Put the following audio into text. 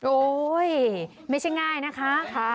โอ๊ยไม่ใช่ง่ายนะคะ